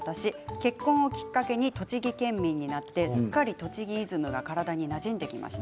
結婚をきっかけに栃木県民になってすっかり栃木イズムが体になじんできました。